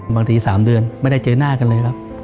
บางที๓เดือนไม่ได้เจอหน้ากันเลยครับ